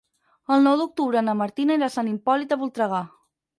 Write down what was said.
El nou d'octubre na Martina irà a Sant Hipòlit de Voltregà.